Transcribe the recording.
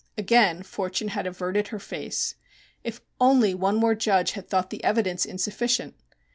Again Fortune had averted her face. If only one more judge had thought the evidence insufficient!